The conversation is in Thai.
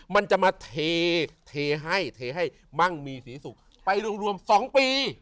มันจะมาเทให้เทให้มั่งมีศรีสุขไปรวม๒ปี